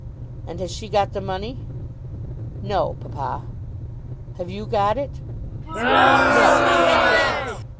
"And has she got the money?" "No, papa." "Have you got it?" "No, papa."